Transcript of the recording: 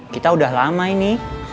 kita udah lama ini